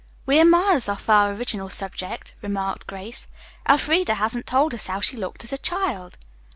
"We are miles off our original subject," remarked Grace. "Elfreda hasn't told us how she looked as a child."